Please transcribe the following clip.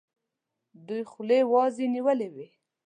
دوی خولې وازي نیولي وي.